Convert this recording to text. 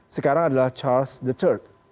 sekarang adalah charles iii